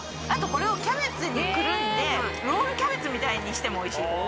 あとこれをキャベツにくるんでロールキャベツみたいにしても美味しい。